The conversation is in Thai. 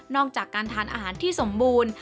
จากการทานอาหารที่สมบูรณ์